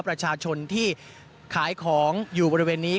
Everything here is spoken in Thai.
ประชาชนที่ขายของอยู่บริเวณนี้